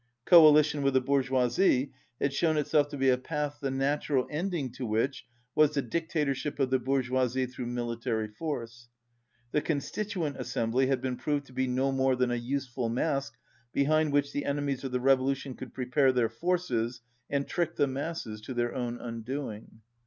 "Coalition with the Bourgeoisie" had shown itself to be a path the natural ending to which was the dictatorship of the bourgeoisie through military force. "The Constituent Assembly" had been proved to be no more than a useful mask behind which the enemies of the revolution could prepare their forces and trick the masses to their own undoing.